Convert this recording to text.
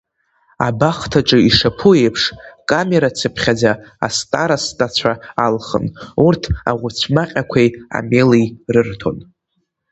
Абахҭаҿы ишаԥу еиԥш, камерацыԥхьаӡа астаростацәа алхын, урҭ аӷәыцәмаҟьақәеи амели рырҭон.